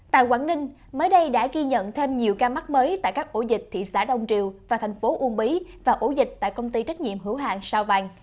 tại quảng ninh mới đây đã ghi nhận thêm nhiều ca mắc mới tại các ổ dịch thị xã đông triều và thành phố uông bí và ổ dịch tại công ty trách nhiệm hữu hàng sao vàng